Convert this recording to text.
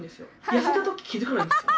痩せた時気付かないんですよ。